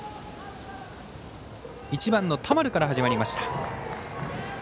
１番の田丸から始まりました。